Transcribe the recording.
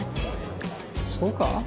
そうか？